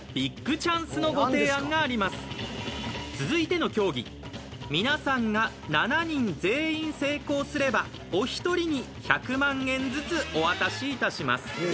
続いての競技皆さんが７人全員成功すればお一人に１００万円ずつお渡しいたします。